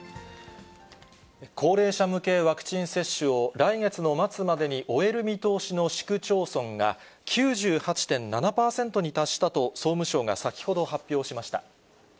高齢者向けワクチン接種を、来月の末までに終える見通しの市区町村が、９８．７％に達したと、総務省が先ほど発表しました。